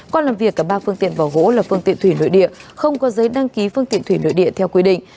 còn làm việc cả ba phương tiện vỏ gỗ là phương tiện thủy nội địa không có giấy đăng ký phương tiện thủy nội địa theo quy định